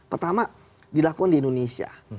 pertama dilakukan di indonesia